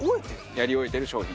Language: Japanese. やり終えてる商品。